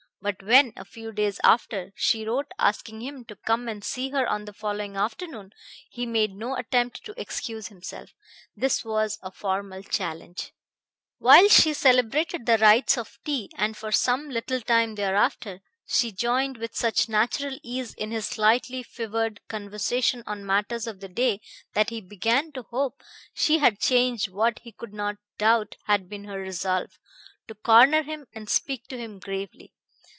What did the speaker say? But when, a few days after, she wrote asking him to come and see her on the following afternoon, he made no attempt to excuse himself. This was a formal challenge. While she celebrated the rites of tea, and for some little time thereafter, she joined with such natural ease in his slightly fevered conversation on matters of the day that he began to hope she had changed what he could not doubt had been her resolve, to corner him and speak to him gravely.